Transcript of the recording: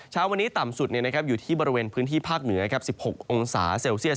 เช้าวันนี้ต่ำสุดอยู่ที่บริเวณพื้นที่ภาคเหนือ๑๖องศาเซลเซียส